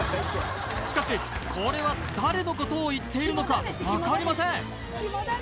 しかしこれは誰のことを言っているのか分かりません